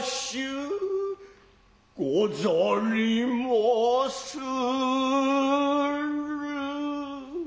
うござりまする。